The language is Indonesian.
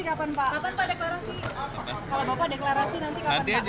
kalau bapak deklarasi nanti kapan pak